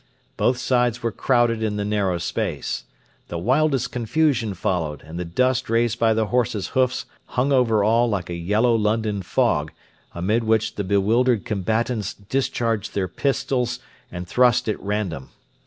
Both sides were crowded in the narrow space. The wildest confusion followed, and the dust raised by the horses' hoofs hung over all like a yellow London fog, amid which the bewildered combatants discharged their pistols and thrust at random.